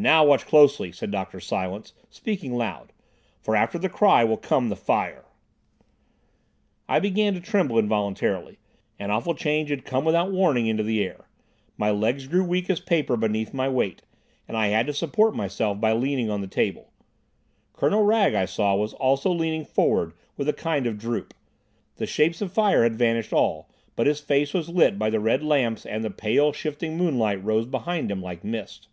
"Now, watch closely," said Dr. Silence, speaking loud, "for after the cry will come the Fire!" I began to tremble involuntarily; an awful change had come without warning into the air; my legs grew weak as paper beneath my weight and I had to support myself by leaning on the table. Colonel Wragge, I saw, was also leaning forward with a kind of droop. The shapes of fire had vanished all, but his face was lit by the red lamps and the pale, shifting moonlight rose behind him like mist.